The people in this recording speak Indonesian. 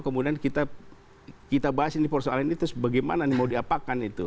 kemudian kita bahas ini persoalan ini terus bagaimana ini mau diapakan itu